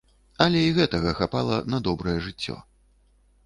Але і гэтага хапала на добрае жыццё.